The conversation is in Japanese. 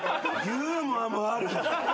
ユーモアもある。